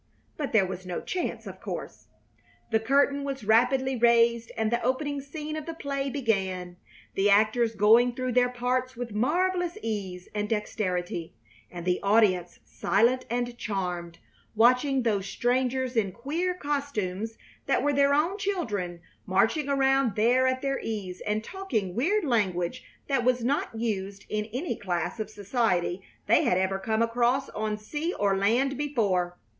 But there was no chance, of course! The curtain was rapidly raised and the opening scene of the play began, the actors going through their parts with marvelous ease and dexterity, and the audience silent and charmed, watching those strangers in queer costumes that were their own children, marching around there at their ease and talking weird language that was not used in any class of society they had ever come across on sea or land before.